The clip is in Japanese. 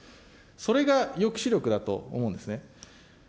それが抑止力だと思うんですね。